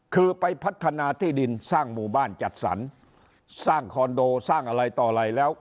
คือไปพัฒนาที่ดินสร้างหมู่บ้านจัดสรรสร้างคอนโดสร้างอะไรต่ออะไรแล้ว